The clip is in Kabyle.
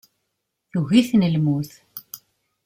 Tugi-ten lmut.